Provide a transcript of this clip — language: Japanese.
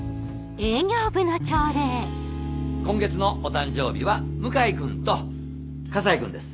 今月のお誕生日は向井君と河西君です。